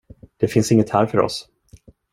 Det finns inget här för oss.